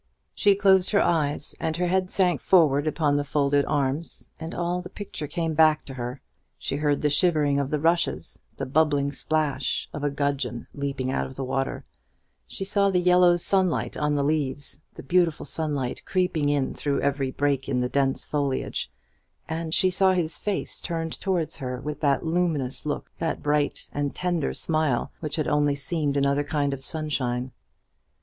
She closed her eyes, and her head sank forward upon her folded arms, and all the picture came back to her. She heard the shivering of the rushes, the bubbling splash of a gudgeon leaping out of the water: she saw the yellow sunlight on the leaves, the beautiful sunlight creeping in through every break in the dense foliage; and she saw his face turned towards her with that luminous look, that bright and tender smile, which had only seemed another kind of sunshine.